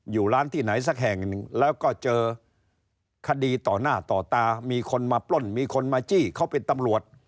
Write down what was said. อยู่ร้านที่ไหนสักแห่งหนึ่งแล้วก็เจอคดีต่อหน้าต่อตามีคนมาปล้นมีคนมาจี้เขาเป็นตำรวจ